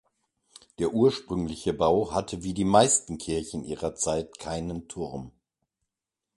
Der ursprüngliche Bau hatte wie die meisten Kirchen ihrer Zeit keinen Turm.